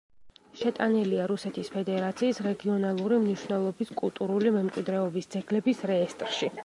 შეტანილია რუსეთის ფედერაციის რეგიონალური მნიშვნელობის კულტურული მემკვიდრეობის ძეგლების რეესტრში.